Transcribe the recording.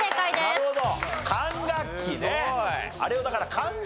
なるほど。